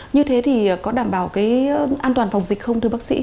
như thế thì có đảm bảo cái an toàn phòng dịch không thưa bác sĩ